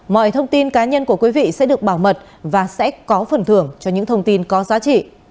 mọi thông tin cá nhân của quý vị sẽ được bảo mật và sẽ có phần thưởng cho những thông tin có giá trị